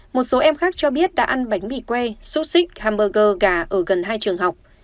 một số em khác cho biết đã ăn bánh mì que xúc xích hammerger gà ở gần hai trường học